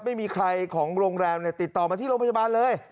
ไม่มีใครของโรงแรมติดต่อมาที่โรงพยาบาลเลย